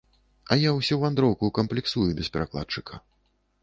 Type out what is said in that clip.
А я ўсю вандроўку камплексую без перакладчыка.